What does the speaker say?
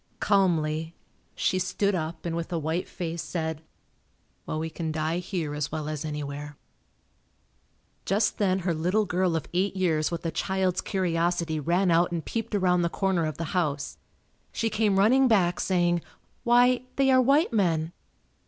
Calmly, she stood up and with a white face said. "Well we can die here as well as anywhere." Just then her little girl of eight years with a child's curiosity ran out and peeped around the corner of the house. She came running back saying, "Why, they are white men."